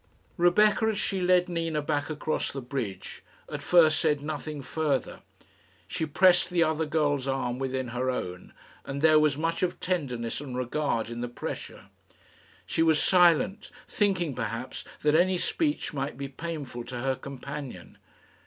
Rebecca, as she led Nina back across the bridge, at first said nothing further. She pressed the other girl's arm within her own, and there was much of tenderness and regard in the pressure. She was silent, thinking, perhaps, that any speech might be painful to her companion.